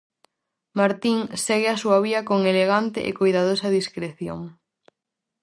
Martín segue a súa vía con elegante e coidadosa discreción.